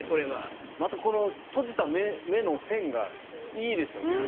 またこの閉じた目の線がいいですよね。